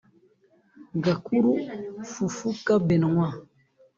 Gakuru Fufuka Benoit